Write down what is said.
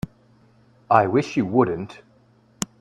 I wish you wouldn't.